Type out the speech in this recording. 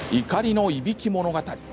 怒りのいびき物語。